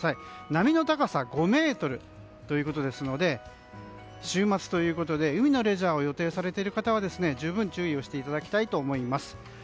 波の高さ５ｍということですので週末ということで海のレジャーを予定されている方は十分注意をしていただきたいと思います。